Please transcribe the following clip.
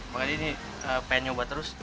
makanya ini pengen nyoba terus